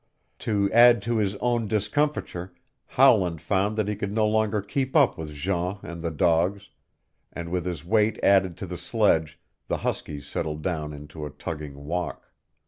To add to his own discomfiture Howland found that he could no longer keep up with Jean and the dogs, and with his weight added to the sledge the huskies settled down into a tugging walk.